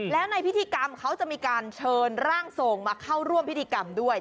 แล้วในพิธีกรรมเขาจะมีการเชิญร่างทรงมาเข้าร่วมพิธีกรรมด้วย